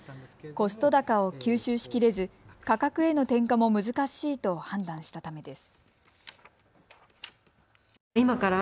コスト高を吸収しきれず価格への転嫁も難しいと判断したためです。